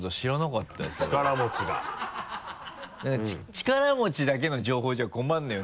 力持ちだけの情報じゃ困るのよ。